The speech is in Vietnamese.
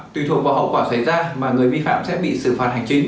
tùy thuộc vào hậu quả xảy ra mà người vi phạm sẽ bị xử phạt hành chính